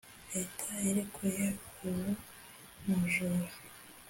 Leta irekuye uwu mujura